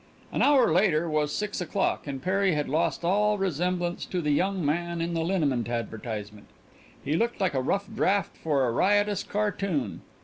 An hour later was six o'clock, and Perry had lost all resemblance to the young man in the liniment advertisement. He looked like a rough draft for a riotous cartoon.